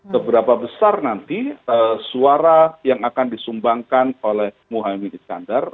seberapa besar nanti suara yang akan disumbangkan oleh muhammad iskandar